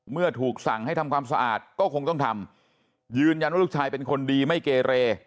เมื่อถูกสั่งให้ทำความสะอาดก็คงต้องทำยืนยันว่าลูกชายเป็นคนดีไม่เกเร